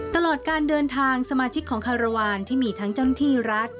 ตลอดการเดินทางสมาชิกของคารวาลที่มีทั้งเจ้าหน้าที่รัฐ